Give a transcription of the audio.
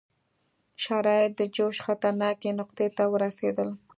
شرایط د جوش خطرناکې نقطې ته ورسېدل.